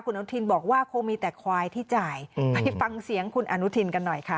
อนุทินบอกว่าคงมีแต่ควายที่จ่ายไปฟังเสียงคุณอนุทินกันหน่อยค่ะ